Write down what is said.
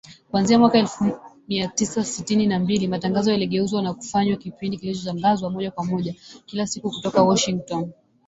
Kuanzia mwaka elfu mia tisa sitini na mbili, matangazo yaligeuzwa na kufanywa kipindi kilichotangazwa moja kwa moja, kila siku kutoka Washington,